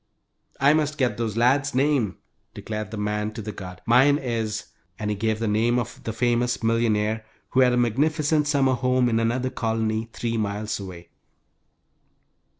"I must get those lads' names," declared the man to the guard. "Mine is ," and he gave the name of the famous millionaire who had a magnificent summer home in another colony, three miles away.